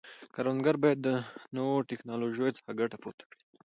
کروندګر باید د نوو ټکنالوژیو څخه ګټه پورته کړي.